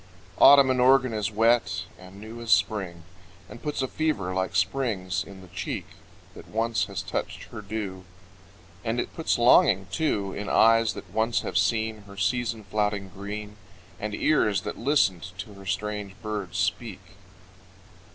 Autumn in Oregon is wet and new As Spring, And puts a fever like Spring's in the cheek That once has touched her dew And it puts longing too In eyes that once have seen Her season flouting green, And ears that listened to her strange birds speak.